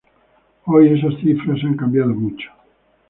Hoy esas cifras han cambiado mucho.